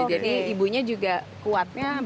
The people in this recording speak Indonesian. jadi ibunya juga kuatnya